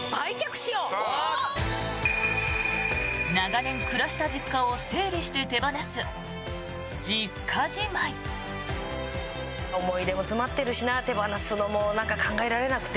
長年暮らした実家を整理して手放す、実家じまい。